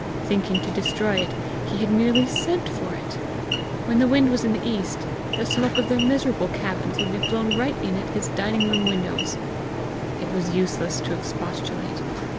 Thinking to destroy it, he had merely sent for it! When the wind was in the east, the smoke of their miserable cabins would be blown right in at his dining room windows! It was useless to expostulate!